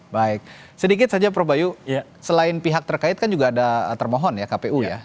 baik sedikit saja prof bayu selain pihak terkait kan juga ada termohon ya kpu ya